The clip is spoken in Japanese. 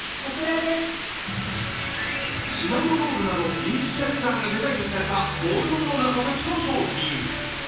シナモロールなど人気キャラクターがデザインされたボールのような形の商品。